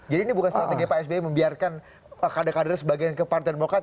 jadi ini bukan strategi pak sby membiarkan kader kader sebagian ke partai demokrat